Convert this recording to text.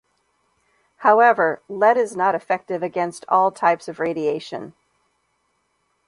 However, lead is not effective against all types of radiation.